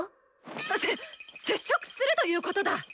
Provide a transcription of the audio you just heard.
せ接触するということだ！